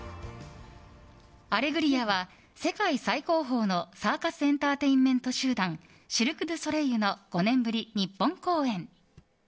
「アレグリア」は世界最高峰のサーカスエンターテインメント集団シルク・ドゥ・ソレイユの５年ぶり日本公演。